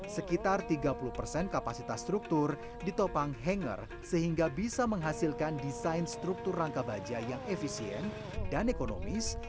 sekitar tiga puluh persen kapasitas struktur ditopang hanger sehingga bisa menghasilkan desain struktur rangka baja yang efisien dan ekonomis